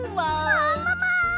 ももも！